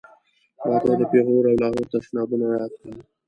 ما ته یې د پېښور او لاهور تشنابونه را یاد کړل.